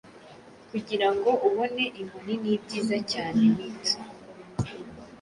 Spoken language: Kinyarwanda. Kugirango ubone Inkoni, nibyiza cyane mit